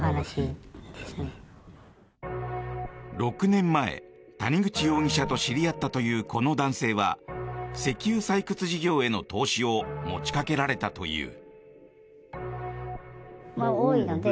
６年前、谷口容疑者と知り合ったというこの男性は石油採掘事業への投資を持ちかけられたという。